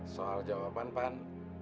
soal jawaban pan